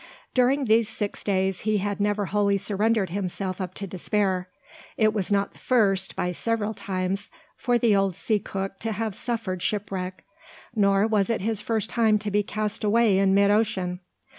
During these six days he had never wholly surrendered himself up to despair. It was not the first, by several times, for the old sea cook to have suffered shipwreck; nor was it his first time to be cast away in mid ocean.